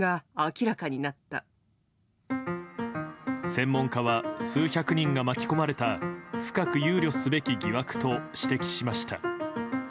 専門家は数百人が巻き込まれた深く憂慮すべき疑惑と指摘しました。